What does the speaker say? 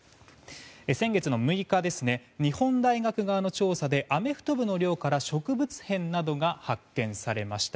先月６日、日本大学側の調査でアメフト部の寮から植物片などが発見されました。